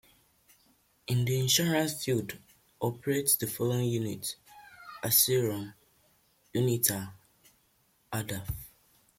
In the insurance field operates the following units: Asirom, Unita, Ardaf.